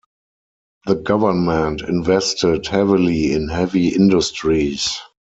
The government invested heavily in heavy industries.